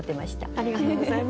ありがとうございます。